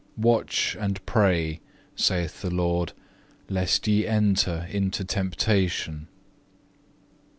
Watch and pray, saith the Lord, lest ye enter into temptation.